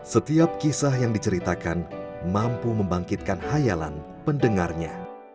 setiap kisah yang diceritakan mampu membangkitkan hayalan pendengarnya